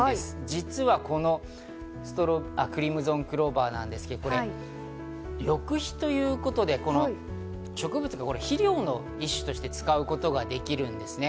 実はこのクリムゾンクローバーなんですけど、緑肥ということで植物を肥料の一種として使うことができるんですね。